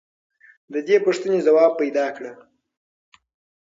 د دې پوښتنې ځواب پیدا کړه.